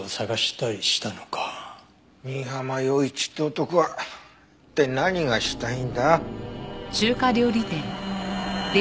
新浜陽一って男は一体何がしたいんだ？